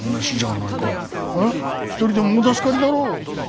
１人でも大助かりだろ。